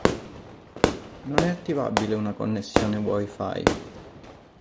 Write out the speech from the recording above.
Non è attivabile una connessione "wi-fi".